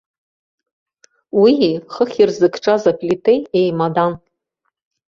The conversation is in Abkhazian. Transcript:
Уии хыхь ирзыкҿаз аплитеи еимадан.